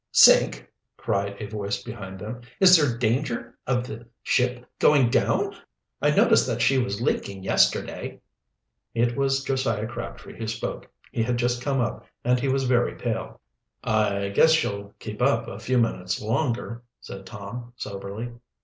"Sink!" cried a voice behind them. "Is there danger of the ship going down? I noticed that she was leaking yesterday." It was Josiah Crabtree who spoke. He had just come up and he was very pale. "I guess she'll keep up a few minutes longer," said Tom soberly.